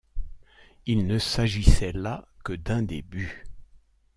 Il ne s’agissait là que d’un début.